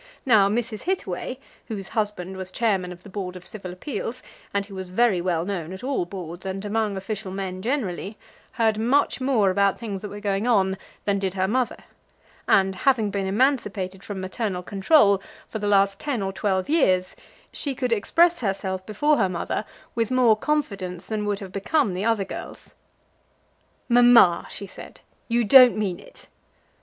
Now, Mrs. Hittaway, whose husband was chairman of the Board of Civil Appeals and who was very well known at all Boards and among official men generally, heard much more about things that were going on than did her mother. And, having been emancipated from maternal control for the last ten or twelve years, she could express herself before her mother with more confidence than would have become the other girls. "Mamma," she said, "you don't mean it!"